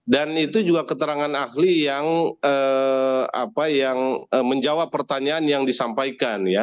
dan itu juga keterangan ahli yang menjawab pertanyaan yang disampaikan ya